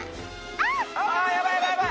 あっやばいやばいやばい！